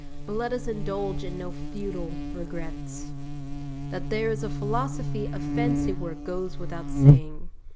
But let us indulge in no futile regrets. That there is a Philosophy of Fancy work goes without saying.